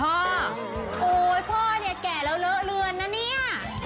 โอ้โหพ่อเนี่ยแก่แล้วเลอะเลือนนะเนี่ย